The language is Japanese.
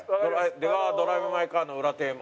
「出川ドライブ・マイ・カー」の裏テーマ。